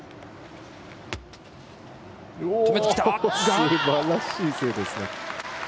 すばらしい精度ですね。